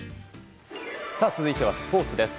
続いては、スポーツです。